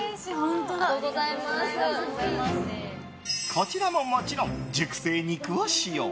こちらももちろん熟成肉を使用。